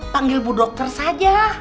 panggil bu dokter saja